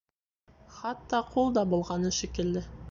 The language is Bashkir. Хатта ҡул да болғаны шикелле...